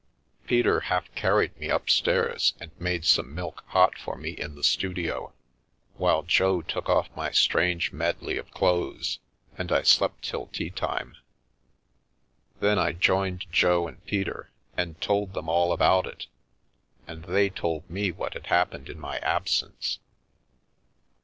Peter half carried me upstairs, and made some milk hot for me in the studio, while Jo took off my strange medley of clothes, and I slept till tea time. Then I joined Jo and Peter, and told them all about it, and they told me what had happened in my absence.